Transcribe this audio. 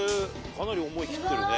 かなり思い切ってるね。